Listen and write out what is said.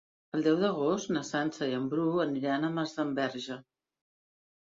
El deu d'agost na Sança i en Bru aniran a Masdenverge.